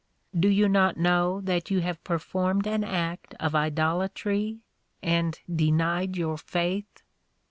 Do you not know that you have performed an act of idolatry, and denied your faith?"